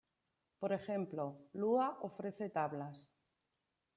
Por ejemplo, Lua ofrece tablas.